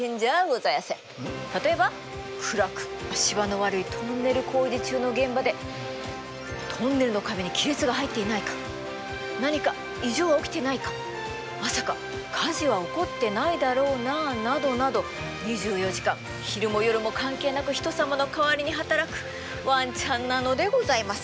例えば暗く足場の悪いトンネル工事中の現場でトンネルの壁に亀裂が入っていないか何か異常は起きていないかまさか火事は起こってないだろうななどなど２４時間昼も夜も関係なく人様の代わりに働くワンちゃんなのでございます！